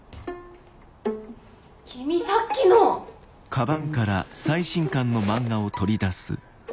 君さっきのッ！